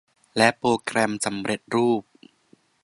และโปรแกรมสำเร็จรูป